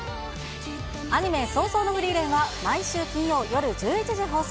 アニメ、葬送のフリーレンは毎週金曜夜１１時に放送。